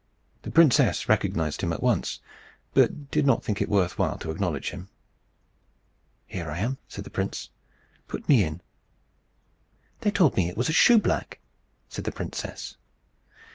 The princess recognized him at once, but did not think it worth while to acknowledge him. "Here I am," said the prince. "Put me in." "They told me it was a shoeblack," said the princess.